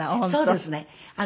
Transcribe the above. そうですね。